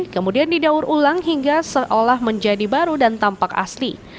kemudian didaur ulang hingga seolah menjadi baru dan tampak asli